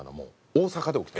大阪で起きた。